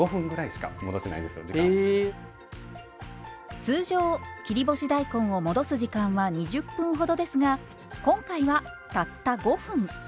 通常切り干し大根を戻す時間は２０分ほどですが今回はたった５分。